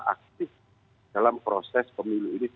aktif dalam proses pemilu ini